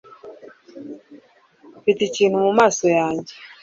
mfite ikintu mumaso yanjye